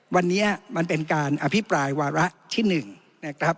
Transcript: วันนี้มันเป็นการอภิปรายวาระที่๑นะครับ